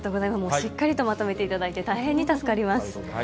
しっかりとまとめていただいて、大変に助かります。